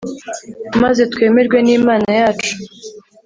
maze twemerwe n imana yacu